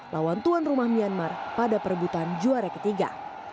lawan tuan rumah myanmar pada perebutan juara ketiga